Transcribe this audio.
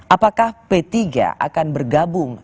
apakah p tiga akan bergabung